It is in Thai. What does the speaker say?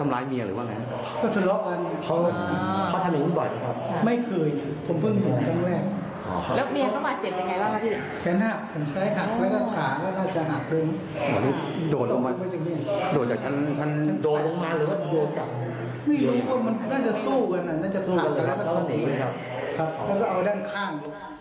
ไม่รู้ว่ามันน่าจะสู้กันน่าจะหักแล้วก็จบไว้แล้วก็เอาด้านข้าง